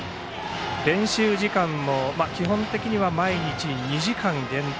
練習時間も基本的には毎日２時間限定。